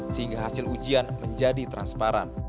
sehingga hasil ujian menjadi transparan